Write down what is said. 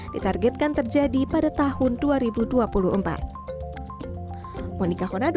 ditargetkan terjadi pada tahun dua ribu dua puluh empat